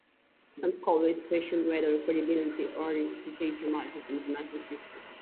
Some scholars question whether credibility or reputation matters in international disputes.